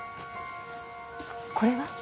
これは？